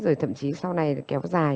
rồi thậm chí sau này kéo dài